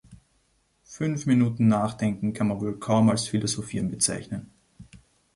Fünf Minuten Nachdenken kann man wohl kaum als Philosophieren bezeichnen.